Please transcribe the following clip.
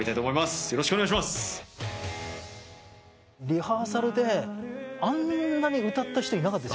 リハーサルであんなに歌った人いなかった。